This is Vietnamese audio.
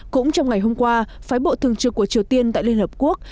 cũng trong ngày hôm qua phái bộ thường trực của triều tiên tại liên hợp quốc